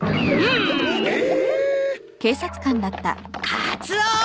カツオー！